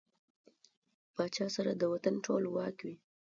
پاچا سره د وطن ټول واک وي .